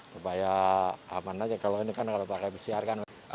supaya aman aja kalau ini kan kalau pakai pcr kan